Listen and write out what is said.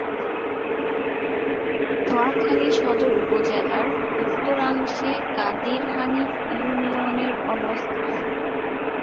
নোয়াখালী সদর উপজেলার উত্তরাংশে কাদির হানিফ ইউনিয়নের অবস্থান।